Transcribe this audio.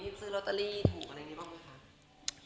สติซื้อโรตาลีถูกอะไรอย่างนี้บ้างไหมคะ